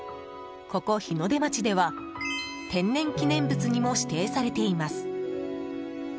ここ日の出町では天然記念物にも指定されています。